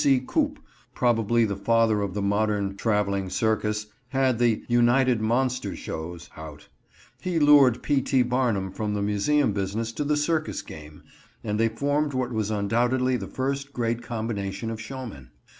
W. C. Coup, probably the father of the modern traveling circus, had the "United Monster Shows" out. He lured P. T. Barnum from the museum business to the circus game, and they formed what was undoubtedly the first great combination of showmen.